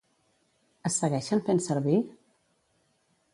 Es segueixen fent servir?